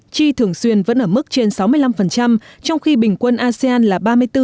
chi thường xuyên vẫn ở mức trên sáu mươi năm trong khi bình quân asean là ba mươi bốn ba mươi năm